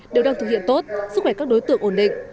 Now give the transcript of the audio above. đều đang thực hiện tốt sức khỏe các đối tượng ổn định